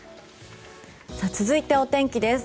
続いてお天気です。